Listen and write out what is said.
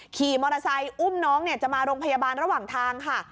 ขี่มอเตอร์ไซค์อุ้มน้องจะมาโรงพยาบาลระหว่างทางค่ะ